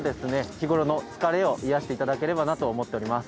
日頃の疲れを癒やしていただければなと思っております。